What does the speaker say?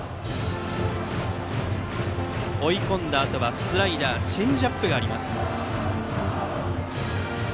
追い込んだあとはスライダーチェンジアップがあります。